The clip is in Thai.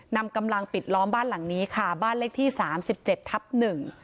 นำกำลังปิดล้อมบ้านหลังนี้ค่ะบ้านเลขที่สามสิบเจ็ดทับหนึ่ง